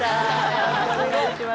よろしくお願いします。